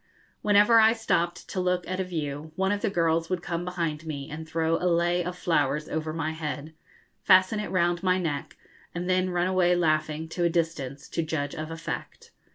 Whenever I stopped to look at a view, one of the girls would come behind me and throw a lei of flowers over my head, fasten it round my neck, and then run away laughing, to a distance, to judge of effect.